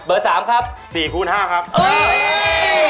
เบอร์๓ครับสี่คูณห้าครับอุ๊ย